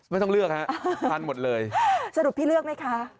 ไม่ต้องเลือกฮะทานหมดเลยสรุปพี่เลือกไหมคะ